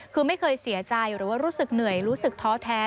คือไม่เคยเสียใจหรือว่ารู้สึกเหนื่อยรู้สึกท้อแท้